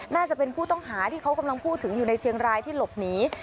น่าจะเป็นผู้ต้องหาที่เขากำลังพูดถึงอยู่ในเชียงรายที่หลบหนี